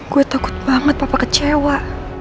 gue takut banget papa kecewa